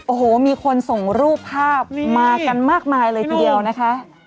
โอ้โหมีคนส่งรูปภาพมากันมากมายเลยทีเดียวนะคะ